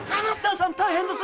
大変だす！